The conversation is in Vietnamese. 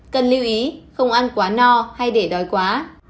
cần lưu ý không ăn quá no hay để đói quá